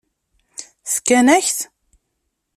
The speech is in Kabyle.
Fkan-ak-t?